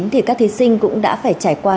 thì các thí sinh cũng đã phải trải qua